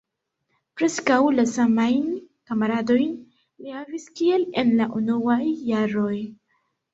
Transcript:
Preskaŭ la samajn kamaradojn li havis kiel en la unuaj jaroj.